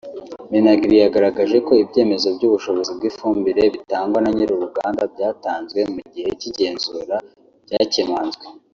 Minagri yagaragaje ko ibyemezo by’ubushobozi bw’ifumbire bitangwa na nyir’uruganda byatanzwe mu gihe cy’igenzura byakemanzwe